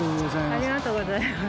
ありがとうございます。